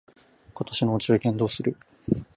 今年のお中元どうする？